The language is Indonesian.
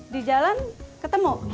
di jalan ketemu